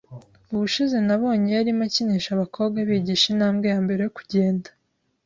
Ubushize nabonye yarimo akinisha abakobwa abigisha intambwe yambere yo kugenda.